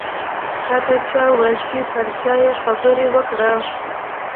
تاته چا وېل چې پې ځایه خبرې وکړه.